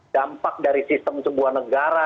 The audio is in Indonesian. dampak dari sistem sebuah negara